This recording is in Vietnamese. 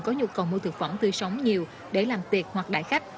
có nhu cầu mua thực phẩm tươi sống nhiều để làm tiệc hoặc đại khách